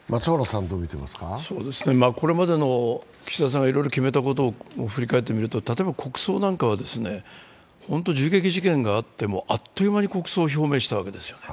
これまでの岸田さんがいろいろ決めたことを振り返ってみると、例えば国葬なんかは銃撃事件があってもあっという間に国葬を表明したんですよね。